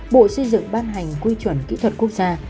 bộ xây dựng ban hành quy chuẩn kỹ thuật quốc gia